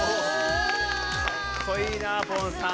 かっこいいなポンさん。